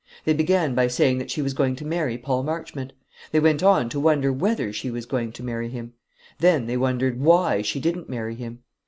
They began by saying that she was going to marry Paul Marchmont; they went on to wonder whether she was going to marry him; then they wondered why she didn't marry him.